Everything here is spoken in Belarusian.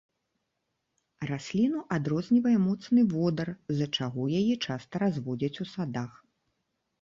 Расліну адрознівае моцны водар, з-за чаго яе часта разводзяць у садах.